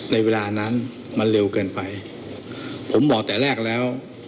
ในเวลานั้นมันเร็วเกินไปผมบอกแต่แรกแล้ว